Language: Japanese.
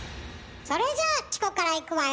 それじゃあチコからいくわよ。